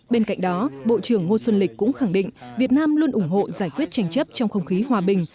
bên cạnh đó bộ trưởng ngô xuân lịch cũng khẳng định việt nam luôn ủng hộ giải quyết tranh chấp trong không khí hòa bình